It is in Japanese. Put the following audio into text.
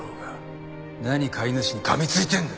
何飼い主に噛みついてんだ？